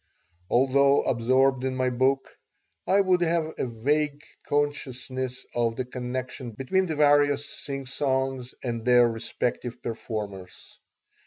Although absorbed in my book, I would have a vague consciousness of the connection between the various singsongs and their respective performers.